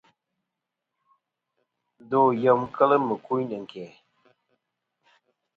Ndo yem kel mɨkuyn ɨ̀nkæ̀.